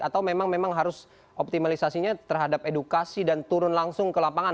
atau memang harus optimalisasinya terhadap edukasi dan turun langsung ke lapangan